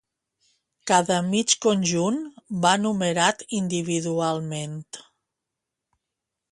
Cada mig conjunt va numerat individualment.